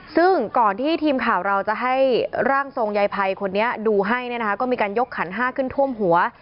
ซึ่งก่อนที่ทีมข่าวเราจะให้ร่างทรงยายภัยคนนี้ดูให้เนี่ยนะคะก็มีการยกขันห้าขึ้นท่วมหัว